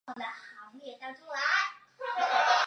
金德贤出生于平安南道。